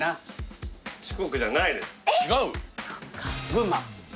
群馬。